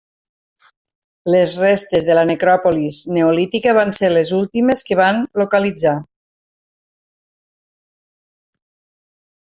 Les restes de la necròpolis neolítica van ser les últimes que van localitzar.